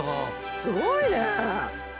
すごいね！